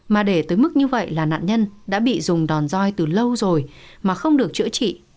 mà để tới mức như vậy là nạn nhân đã bị dùng đòn roi từ lâu rồi mà không được chữa trị